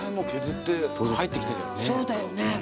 そうだよね。